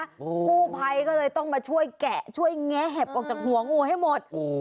กู้ภัยก็เลยต้องมาช่วยแกะช่วยแงะแหบออกจากหัวงูให้หมด